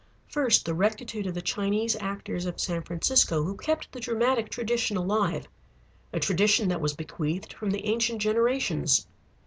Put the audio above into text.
First: the rectitude of the Chinese actors of San Francisco who kept the dramatic tradition alive, a tradition that was bequeathed from the ancient generations.